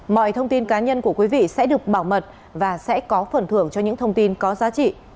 mọi thông tin cá nhân của quý vị sẽ được bảo mật và sẽ có phần thưởng cho những thông tin có giá trị